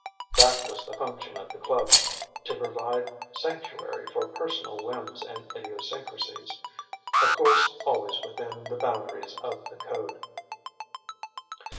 That was the function of the club to provide sanctuary for personal whims and idiosyncrasies; of course, always within the boundaries of the code.